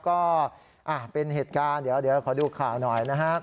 ก็เป็นเหตุการณ์เดี๋ยวขอดูข่าวหน่อยนะครับ